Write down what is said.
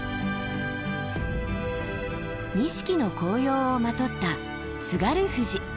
錦の紅葉をまとった津軽富士。